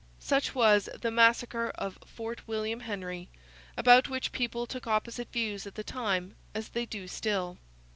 Such was the 'massacre of Fort William Henry,' about which people took opposite views at the time, as they do still.